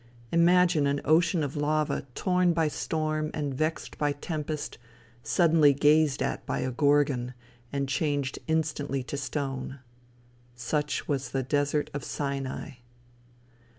Imagine an ocean of lava torn by storm and vexed by tempest, suddenly gazed at by a Gorgon and changed instantly to stone! Such was the desert of Sinai.